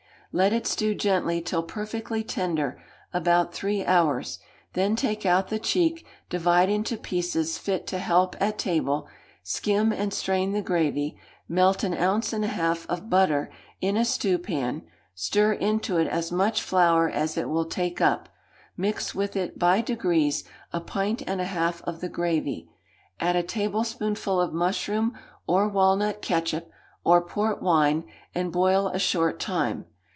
Let it stew gently till perfectly tender, about three hours; then take out the cheek, divide into pieces fit to help at table; skim and strain the gravy; melt an ounce and a half of butter in a stewpan; stir into it as much flour as it will take up; mix with it by degrees a pint and a half of the gravy; add a tablespoonful of mushroom or walnut ketchup, or port wine, and boil a short time.